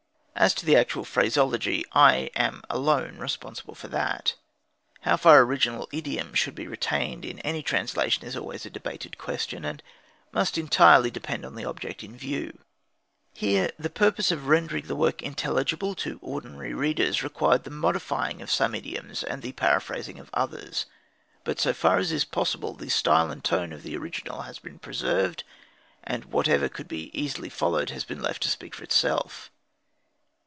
As to the actual phraseology, I am alone responsible for that. How far original idiom should be retained in any translation is always a debated question, and must entirely depend on the object in view. Here the purpose of rendering the work intelligible to ordinary readers required the modifying of some idioms and the paraphrasing of others. But so far as possible the style and tone of the original has been preserved, and whatever could be easily followed has been left to speak for itself.